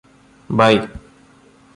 by